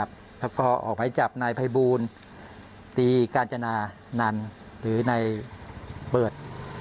แล้วก็ออกไม้จับในไพบูลตรีการจนานานหรือในเบิด